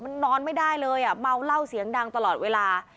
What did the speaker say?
มันนอนไม่ได้เลยอ่ะเมาเหล้าเสียงดังตลอดเวลา